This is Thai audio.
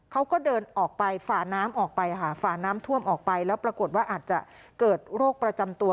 เขาก็เดินออกไปฝ่าน้ำออกไปค่ะฝ่าน้ำท่วมออกไปแล้วปรากฏว่าอาจจะเกิดโรคประจำตัว